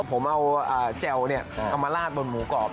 ผมเอาแจวเอามาลาดบนหมูกรอบ